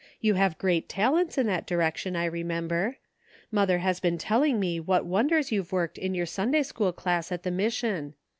You have great talents in that direction I remember. Mother has been telling me what wonders you've worked in yoiu Sunday School class at the mission.